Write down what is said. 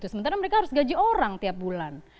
sementara mereka harus gaji orang tiap bulan